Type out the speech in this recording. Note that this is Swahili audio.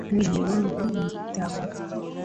Mwili wangu nitawapa